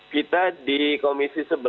kita di komisi sebelas